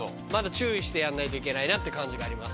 注意してやんないといけないなっていう感じがあります。